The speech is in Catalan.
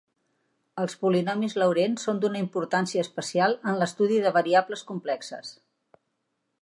Els polinomis Laurent són d'una importància especial en l'estudi de variables complexes.